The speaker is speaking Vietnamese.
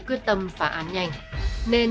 quyết tâm phá án nhanh nên